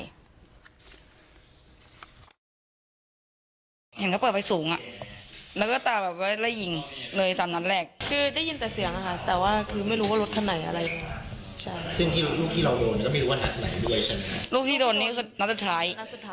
มันก็ปลอดภัยสูงไม่เห็นอะไรเลย